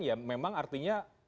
ya memang artinya